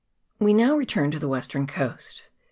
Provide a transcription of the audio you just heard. WE now return to the western coast.